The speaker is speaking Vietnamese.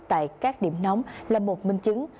tại các điểm nóng là một minh chứng